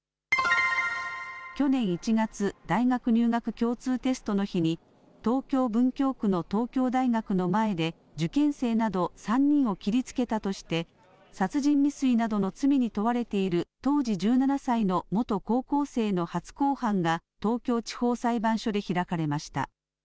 去年１月大学入学共通テストの日に東京・文京区の東京大学の前で受験生など３人を切りつけたとして殺人未遂などの罪に問われている当時１７歳の元高校生の初公判が東京地方裁判所で開かれました。